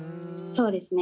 そうですね。